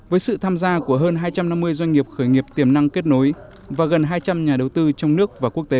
với sự tham gia của hơn hai trăm năm mươi doanh nghiệp khởi nghiệp tiềm năng kết nối và gần hai trăm linh nhà đầu tư trong nước và quốc tế